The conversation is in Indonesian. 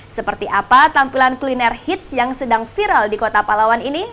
seperti apa tampilan kuliner hits yang sedang viral di kota palawan ini